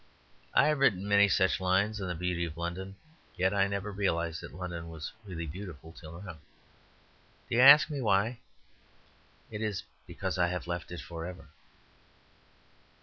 "I have written many such lines on the beauty of London; yet I never realized that London was really beautiful till now. Do you ask me why? It is because I have left it for ever."